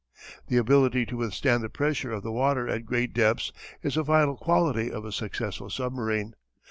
The ability to withstand the pressure of the water at great depths is a vital quality of a successful submarine.